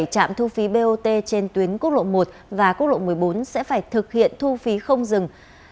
bảy trạm thu phí bot trên tuyến quốc lộ một và quốc lộ một mươi bốn sẽ phải thực hiện thu phí không dừng